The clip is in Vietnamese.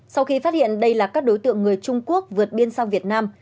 sau khi phát hiện đây là các đối tượng người trung quốc vượt biên sang việt nam